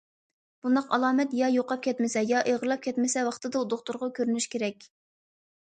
بۇنداق ئالامەت يا يوقاپ كەتمىسە يا ئېغىرلاپ كەتمىسە، ۋاقتىدا دوختۇرغا كۆرۈنۈش كېرەك.